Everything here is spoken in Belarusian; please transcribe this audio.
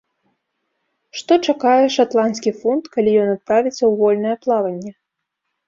Што чакае шатландскі фунт, калі ён адправіцца ў вольнае плаванне?